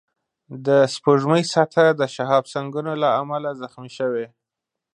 د سپوږمۍ سطحه د شهابسنگونو له امله زخمي شوې